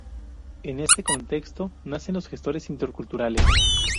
En este contexto nacen los gestores interculturales.